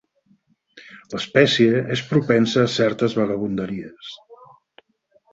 L'espècie és propensa a certes vagabunderies.